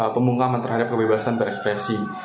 pemungkaman terhadap kebebasan berekspresi